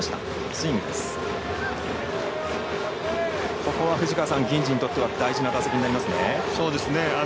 ここは銀次にとっては大事な打席になりますね。